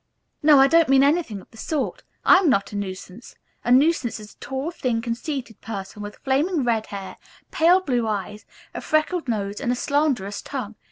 No, I don't mean anything of the sort. I am not a nuisance. A nuisance is a tall, thin, conceited person with flaming red hair, pale blue eyes, a freckled nose and a slanderous tongue.